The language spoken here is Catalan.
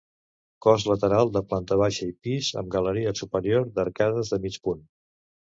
Cos lateral de planta baixa i pis amb galeria superior d'arcades de mig punt.